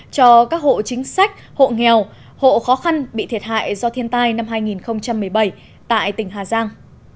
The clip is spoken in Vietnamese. cho các hộ chính sách hộ nghèo hộ khó khăn bị thiệt hại do thiên tai năm hai nghìn một mươi bảy tại tỉnh hà giang